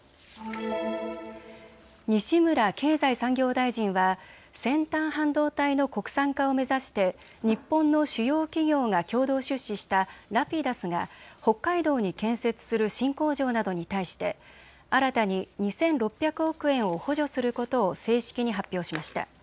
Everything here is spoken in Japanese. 西村経済産業大臣は先端半導体の国産化を目指して日本の主要企業が共同出資したＲａｐｉｄｕｓが北海道に建設する新工場などに対して新たに２６００億円を補助することを正式に発表しました。